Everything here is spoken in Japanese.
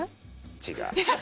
違う。